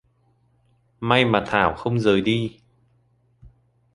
may mà thảo không rời đi